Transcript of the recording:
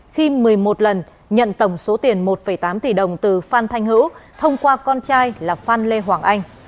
khi một mươi một lần nhận tổng số tiền một tám tỷ đồng từ phan thanh hữu thông qua con trai là phan lê hoàng anh